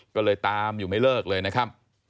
ก็เลยตามอยู่ไม่เลิกเลยนะครับ